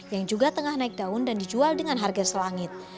yang juga tengah naik daun dan dijual dengan harga selangit